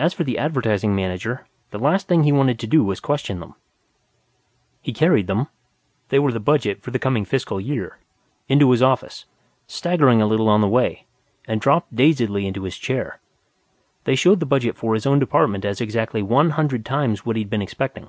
As for the Advertising Manager, the last thing he wanted to do was question them. He carried them (they were the budget for the coming fiscal year) into his office, staggering a little on the way, and dropped dazedly into his chair. They showed the budget for his own department as exactly one hundred times what he'd been expecting.